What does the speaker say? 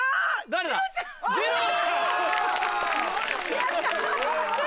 やった！